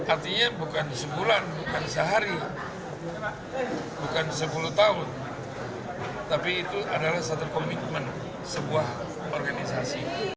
artinya bukan sebulan bukan sehari bukan sepuluh tahun tapi itu adalah satu komitmen sebuah organisasi